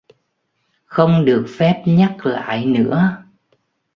Không được phép nhắc lại nữa